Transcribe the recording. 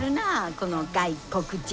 この外国人！